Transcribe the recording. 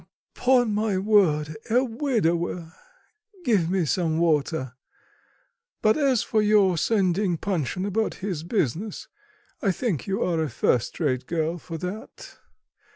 Upon my word, a widower! Give me some water. But as for your sending Panshin about his business, I think you're a first rate girl for that.